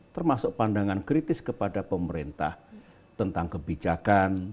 termasuk pandangan kritis kepada pemerintah tentang kebijakan